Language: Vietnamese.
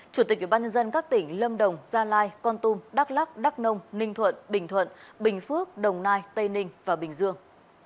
chủ tịch ủy ban nhân dân các tỉnh lâm đồng gia lai con tum đắk lắc đắk nông ninh thuận bình thuận bình phước đồng nai tây ninh và bình dương